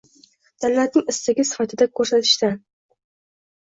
Davlatning istagi sifatida ko‘rsatishdan